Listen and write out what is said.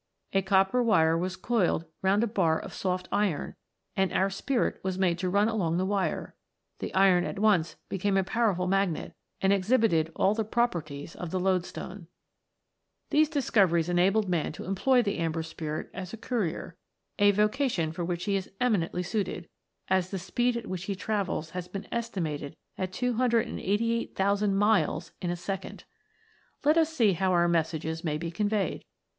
A copper wire was coiled round a bar of soft iron, and our Spirit was made to run along the wire ; the iron at once became a powerful magnet, and ex hibited all the properties of the loadstone. * The Voltaic Pile. THE AMBER SPIRIT. 19 These discoveries enabled man to employ the Am ber Spirit as a courier, a vocation for which he is eminently suited, as the speed at which he travels has been estimated at 288,000 miles in a second. Let us see how our messages may be con veyed.